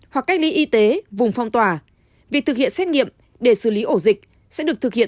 hoặc cách ly y tế vùng phong tỏa việc thực hiện xét nghiệm để xử lý ổ dịch sẽ được thực hiện